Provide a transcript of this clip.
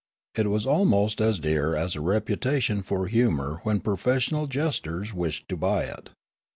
It was almost as dear as a reputation for humour when professional jesters wished to buy it.